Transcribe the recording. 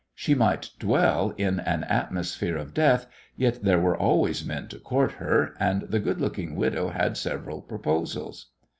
She might dwell in an atmosphere of death, yet there were always men to court her, and the good looking widow had several proposals.